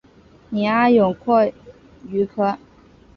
拟阿勇蛞蝓科。